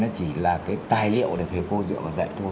nó chỉ là cái tài liệu để phê cô dựa và dạy cô